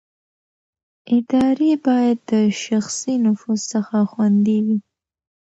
ادارې باید د شخصي نفوذ څخه خوندي وي